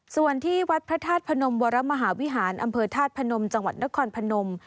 ส่วนที่วัดพระธาตุพนมวรมหาวิหารอำเภอธาตุพนมจังหวัดนครพนม